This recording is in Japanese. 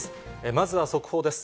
まずは速報です。